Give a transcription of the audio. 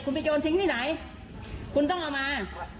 แล้วจะดึงไปทำไม